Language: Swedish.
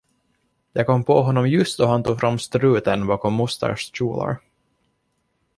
Jag kom på honom just då han tog fram struten bakom mosters kjolar.